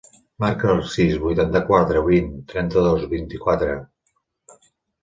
Marca el sis, vuitanta-quatre, vint, trenta-dos, vint-i-quatre.